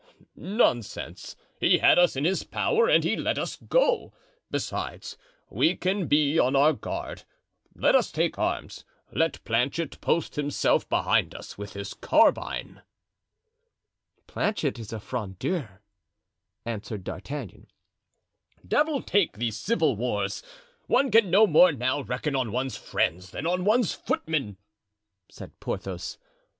"Nonsense! He had us in his power and he let us go. Besides we can be on our guard; let us take arms, let Planchet post himself behind us with his carbine." "Planchet is a Frondeur," answered D'Artagnan. "Devil take these civil wars! one can no more now reckon on one's friends than on one's footmen," said Porthos.